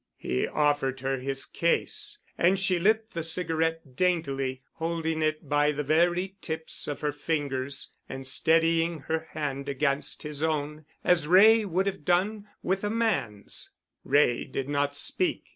He offered her his case, and she lit the cigarette daintily, holding it by the very tips of her fingers, and steadying her hand against his own as Wray would have done with a man's. Wray did not speak.